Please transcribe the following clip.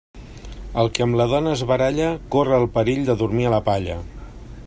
El que amb la dona es baralla, corre el perill de dormir a la palla.